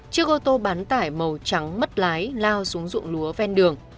chiếc ô tô bán tải màu trắng mất lái lao xuống dụng lúa ven đường